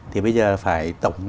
thì bây giờ phải tổng